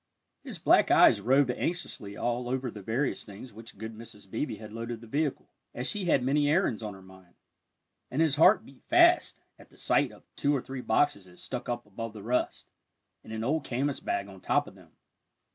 His black eyes roved anxiously over all the various things with which good Mrs. Beebe had loaded the vehicle, as she had many errands on her mind, and his heart beat fast at the sight of two or three boxes that stuck up above the rest, and an old canvas bag on top of them.